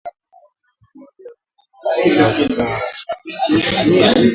Mnyama aliyeathirika na ugonjwa wa kichaa hushindwa kutoa sauti wakati analia